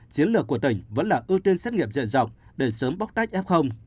chiến lược của tỉnh vẫn là ưu tiên xét nghiệm dựa dọc để sớm bóc tách f